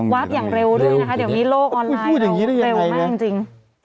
วาฟอย่างเร็วด้วยนะคะเดี๋ยวมีโลกออนไลน์เราก็เร็วแม่งจริง